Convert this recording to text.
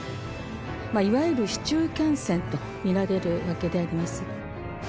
いわゆる市中感染と見られるわけであります。